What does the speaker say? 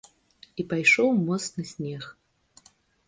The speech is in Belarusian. І пайшоў моцны снег.